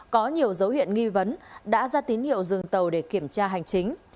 có nhiều dấu hiệu nghi vấn đã ra tín hiệu dừng tàu để kiểm tra hành chính